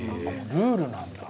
ルールなんだ。